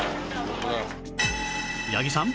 八木さん。